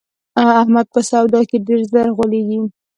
احمد په سودا کې ډېر زر غولېږي.